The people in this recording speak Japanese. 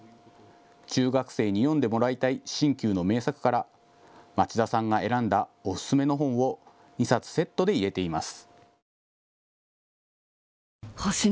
中学生に読んでもらいたい新旧の名作から町田さんが選んだおすすめの本を２冊セットで入れています。